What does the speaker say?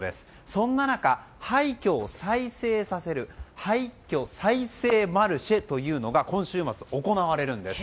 そんな中、廃墟を再生させる廃墟再生マルシェというのが今週末、行われるんです。